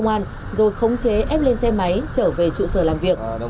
công an rồi khống chế ép lên xe máy trở về trụ sở làm việc